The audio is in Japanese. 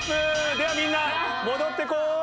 ではみんな戻って来い。